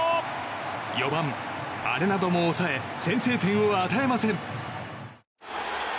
４番、アレナドも抑え先制点を与えません。